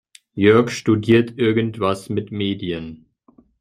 Jörg studiert irgendwas mit Medien.